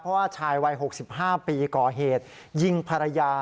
เพราะว่าชายวัย๖๕ปีก่อเหตุยิงภรรยา